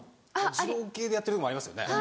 二郎系でやってるのもありますよね。